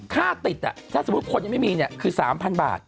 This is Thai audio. ค่าติดถ้าสมมุติคนยังไม่มีเนี่ยคือ๓๐๐บาท